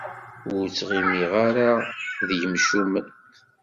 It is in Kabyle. Ur ttɣimiɣ ara d yimcumen.